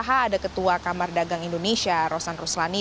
ada ketua kamar dagang indonesia rosan ruslani